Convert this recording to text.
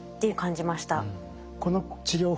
この治療法